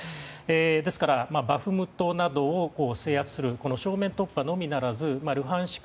ですからバフムトなどを制圧する正面突破のみならずルハンシク